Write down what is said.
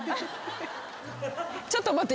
ちょっと待って。